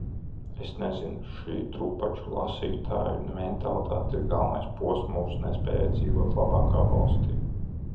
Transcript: Es nezinu... šī drupaču lasītāju mentalitāte ir galvenais posts mūsu nespējai dzīvot labākā valstī.